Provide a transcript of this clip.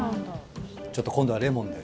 ちょっと今度はレモンで。